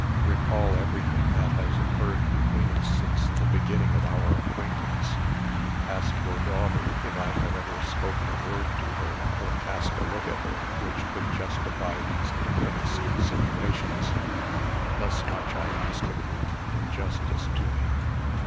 Recall everything that has occurred between us since the beginning of our acquaintance. Ask your daughter if I have ever spoken a word to her, or cast a look at her, which could justify these infamous insinuations. Thus much I ask of you, in justice to me."